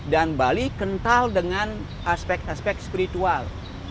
dan bali kental dengan aspek aspek spiritual